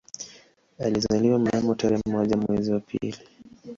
Alizaliwa mnamo tarehe moja mwezi wa pili